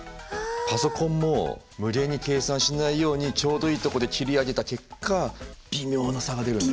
パソコンも無限に計算しないようにちょうどいいとこで切り上げた結果微妙な差が出るんだ。